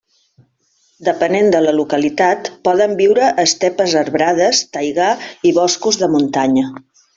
Depenent de la localitat, poden viure a estepes arbrades, taigà i boscos de muntanya.